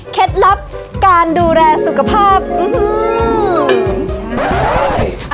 ลับการดูแลสุขภาพอื้อหือ